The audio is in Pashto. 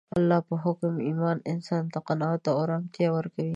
د الله په حکم ایمان انسان ته قناعت او ارامتیا ورکوي